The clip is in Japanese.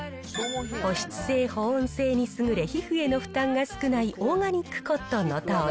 保湿性、保温性に優れ、皮膚への負担が少ないオーガニックコットンのタオル。